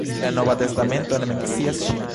La nova testamento ne mencias ŝin.